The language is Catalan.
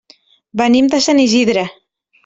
Venim de Sant Isidre.